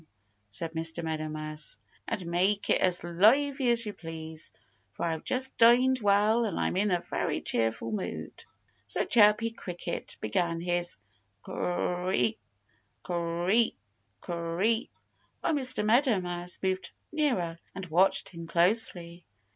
said Mr. Meadow Mouse. "And make it as lively as you please. For I've just dined well and I'm in a very cheerful mood." So Chirpy Cricket began his cr r r i! cr r r i! cr r r i! while Mr. Meadow Mouse moved nearer and watched him closely.